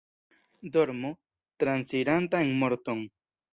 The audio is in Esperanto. Dormo, transiranta en morton.